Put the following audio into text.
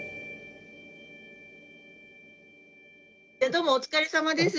どうもお疲れさまです。